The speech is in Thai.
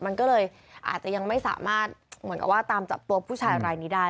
มันก็เลยอาจจะยังไม่สามารถเหมือนกับว่าตามจับตัวผู้ชายรายนี้ได้